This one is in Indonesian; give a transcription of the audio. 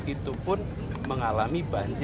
itu pun mengalami banjir yang terjadi